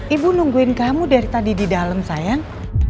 ibu nungguin kamu dari tadi di dalam sayang